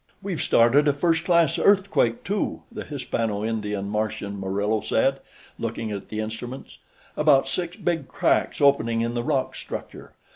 "We've started a first class earthquake, too," the Hispano Indian Martian Murillo said, looking at the instruments. "About six big cracks opening in the rock structure.